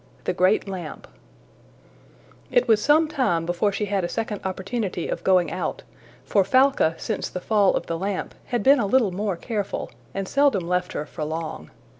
The Great Lamp IT was some time before she had a second opportunity of going out, for Falca since the fall of the lamp had been a little more careful, and seldom left her for long.